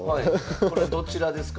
これどちらですか？